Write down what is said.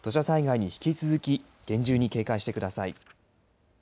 土砂災害に引き続き厳重に警戒してください。